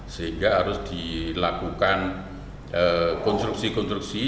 sehingga harus dilakukan konstruksi konstruksi